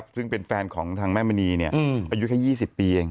ซึ่งเป็นแฟนของทางแม่มณีอายุแค่๒๐ปีเอง